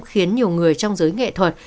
khiến nhiều người trong giới nghệ thuật